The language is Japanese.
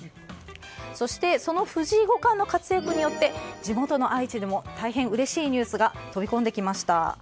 そして、藤井五冠の活躍によって地元の愛知でも大変うれしいニュースが飛び込んできました。